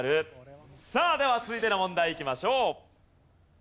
では続いての問題いきましょう。